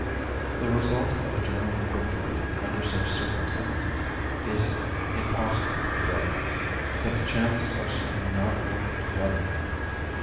The result of a German victory under such circumstances is impossible to predict; but the chances are certainly not worth running.